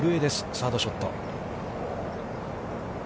サードショット。